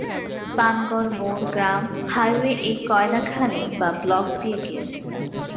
Panagarh-Morgram highway এই কয়লা খনি বা ব্লক দিয়ে গিয়েছে।